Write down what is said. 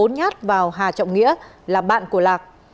nhát vào hà trọng nghĩa là bạn của lạc